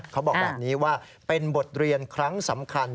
เขาบอกแบบนี้ว่าเป็นบทเรียนครั้งสำคัญ